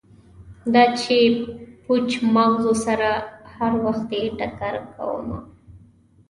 دا چې پوچ مغزو سره هروختې ټکر کومه